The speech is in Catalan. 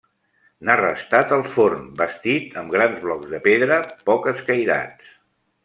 N'ha restat el forn, bastit amb grans blocs de pedra poc escairats.